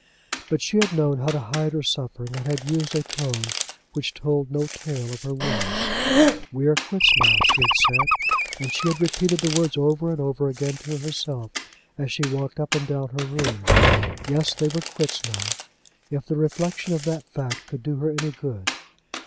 But she had known how to hide her suffering, and had used a tone which told no tale of her wounds. We are quits now, she had said, and she had repeated the words over and over again to herself as she walked up and down her room. Yes! they were quits now, if the reflection of that fact could do her any good.